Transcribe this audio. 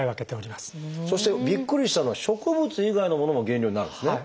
そしてびっくりしたのは植物以外のものも原料になるですね。